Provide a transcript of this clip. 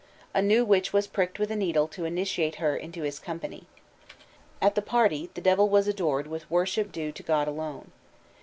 A new witch was pricked with a needle to initiate her into his company. At the party the Devil was adored with worship due to God alone.